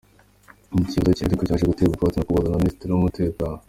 Iki cyifuzo cye ariko cyaje guterwa utwatsi mu Ukuboza na Minisiteri y’Umutekano.